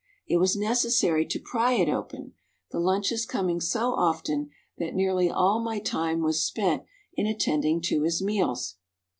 It was necessary to pry it open, the lunches coming so often that nearly all my time was spent in attending to his meals.